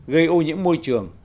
gây ô nhiễm môi trường